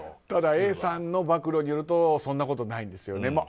ただＡさんの暴露によるとそんなことないんですよね。